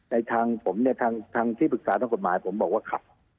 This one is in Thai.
ในทางผมเนี่ยทางที่ปรึกษาทางกฎหมายผมบอกว่าขับ